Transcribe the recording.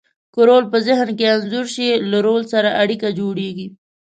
که رول په ذهن کې انځور شي، له رول سره اړیکه جوړیږي.